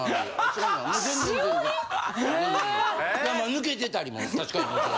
・抜けてたりも確かに。